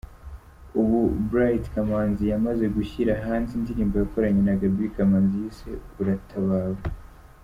Ubu Bright Kamanzi yamaze gushyira hanze indirimbo yakoranye na Gaby Kamanzi yise ‘Uratabawe’.